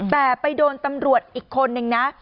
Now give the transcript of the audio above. แต่ไปโดนตำรวจอีกคนนึงนะ